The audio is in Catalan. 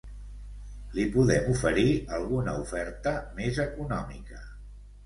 Li podem oferir alguna oferta més econòmica.